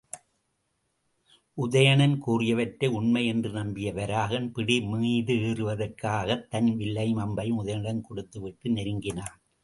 உதயணன் கூறியவற்றை உண்மை என்று நம்பிய வராகன் பிடி மீதேறுவதற்காகத் தன் வில்லையும் அம்பையும் உதயணனிடம் கொடுத்துவிட்டு நெருங்கினான்.